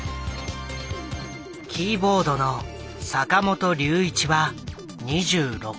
キーボードの坂本龍一は２６歳。